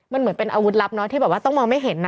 มันเหมือนเป็นอาวุธลับที่ต้องมองไม่เห็น